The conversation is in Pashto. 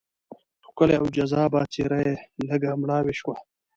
ښکلې او جذابه څېره یې لږه مړاوې شوه.